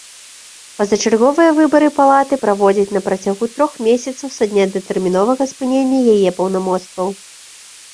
Пазачарговыя выбары палаты праводзяць на працягу трох месяцаў са дня датэрміновага спынення яе паўнамоцтваў.